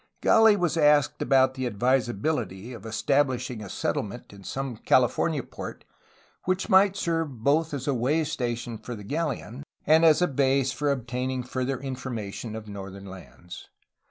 Gah was asked about the advisabihty of estabhshing a settle ment in some California port, which might serve both as a way station for the galleon and as a base for obtaining further information of northern lands.